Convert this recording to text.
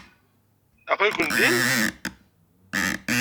Aql-iken din?